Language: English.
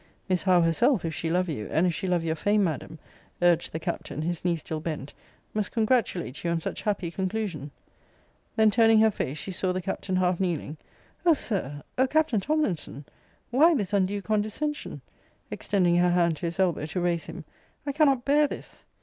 Miss Howe herself, if she love you, and if she love your fame, Madam, urged the Captain, his knee still bent, must congratulate you on such happy conclusion. Then turning her face, she saw the Captain half kneeling O Sir! O Capt. Tomlinson! Why this undue condescension? extending her hand to his elbow, to raise him. I cannot bear this!